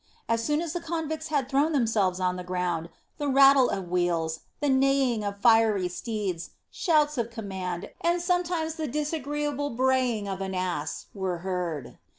As soon as the convicts had thrown themselves on the ground the rattle of wheels, the neighing of fiery steeds, shouts of command, and sometimes the disagreeable braying of an ass were heard.